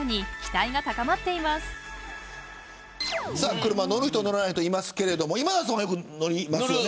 車乗る人、乗らない人いますが今田さん、乗りますよね。